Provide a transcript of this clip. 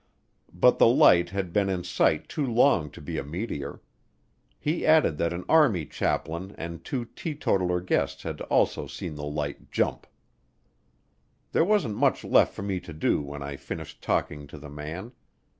But the light had been in sight too long to be a meteor. He added that an army chaplain and two teetotaler guests had also seen the light jump. There wasn't much left for me to do when I finished talking to the man.